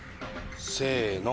せの。